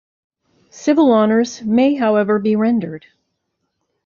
Civil honors may, however, be rendered.